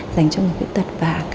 dành cho người khuyết tật